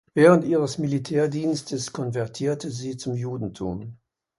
Während ihres Militärdienstes konvertierte sie zum Judentum.